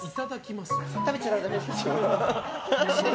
食べちゃだめですよ。